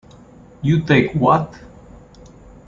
You take what?